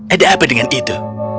ada apa dengan itu